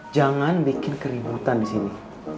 jangan bikin keributan disini